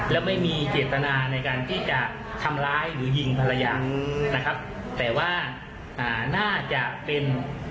แล้วไม่มีเจตนาในการที่จะทำร้ายหรือยิงภรรยานะครับแต่ว่าอ่าน่าจะเป็น